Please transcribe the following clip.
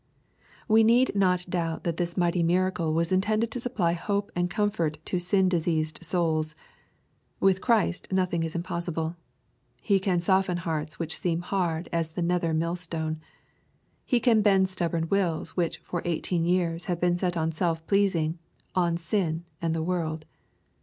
We need not doubt that this mighty miracle was in tended to supply hope and comfort to sin diseased souls. With Christ nothing is impossible. He can soften hearts which seem hard as the nether mill stone. He can bend stubborn wills which "for eighteen years" have been set on self pleasing, on sin, and the world.